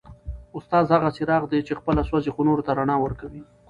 استاد هغه څراغ دی چي خپله سوځي خو نورو ته رڼا ورکوي.